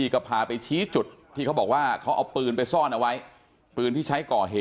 ก็เจอนะ